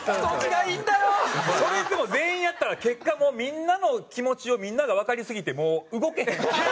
それでも全員やったら結果もうみんなの気持ちをみんながわかりすぎてもう動けへんのちゃう？